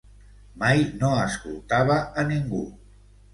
Mai no escoltava a ningú.